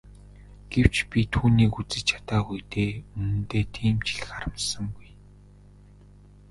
Гэвч би түүнийг үзэж чадаагүй дээ үнэндээ тийм ч их харамссангүй.